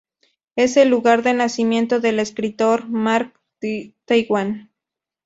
Es el lugar de nacimiento del escritor Mark Twain.